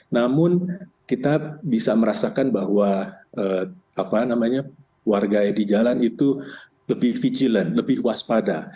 namun kita bisa merasakan bahwa warga di jalan itu lebih vicilent lebih waspada